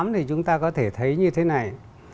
thì chúng ta có thể thấy như thế này